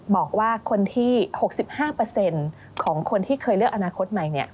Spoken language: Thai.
บอกว่าคนที่๖๕ของคนที่เคยเลือกอนาคตใหม่